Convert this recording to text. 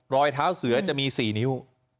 รอยเท้าเสือจะมี๔นิ้ว